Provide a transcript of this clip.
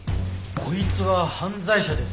「こいつは犯罪者です」